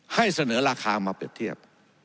ให้เสนอราคามาเปรียบเทียบ